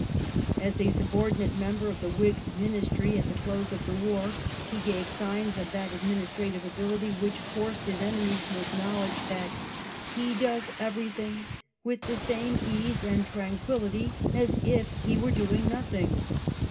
As a sub ordinate member of the Whig Ministry at the close of the war he gave signs of that administrative ability which forced his enemies to acknowledge that "he does everything with the same ease and tranquillity as if he were doing nothing."